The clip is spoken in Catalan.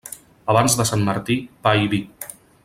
Abans de Sant Martí, pa i vi.